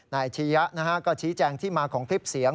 นายชียะก็ชี้แจงที่มาของคลิปเสียง